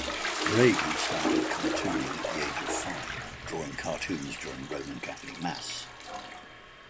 Brady started cartooning at the age of five, drawing cartoons during Roman Catholic mass.